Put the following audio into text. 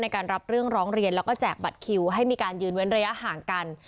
ในการรับเรื่องร้องเรียนแล้วก็แจกบัตรคิวให้มีการยืนเว้นระยะห่างกัน